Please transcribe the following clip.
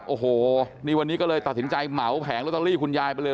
โอ้โหนี่วันนี้ก็เลยตัดสินใจเหมาแผงลอตเตอรี่คุณยายไปเลย